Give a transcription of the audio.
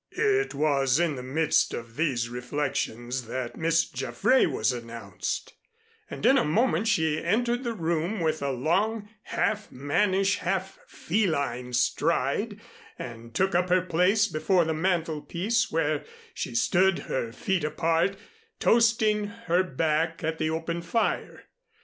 It was in the midst of these reflections that Miss Jaffray was announced, and in a moment she entered the room with a long half mannish, half feline stride and took up her place before the mantelpiece where she stood, her feet apart, toasting her back at the open fire.